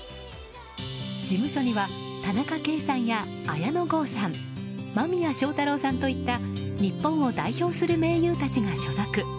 事務所には田中圭さんや綾野剛さん間宮祥太朗さんといった日本を代表する名優たちが所属。